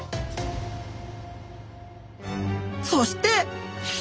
そして！